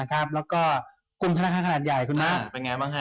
กลุ่มธนาคารขนาดใหญ่คุณครับ